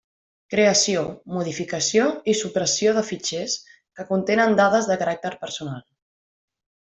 Creació, modificació i supressió de fitxers que contenen dades de caràcter personal.